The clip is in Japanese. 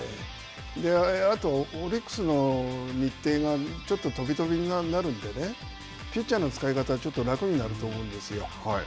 あと、オリックスの日程がちょっと飛び飛びになるんでねピッチャーの使い方はちょっと楽になると思うんですよ。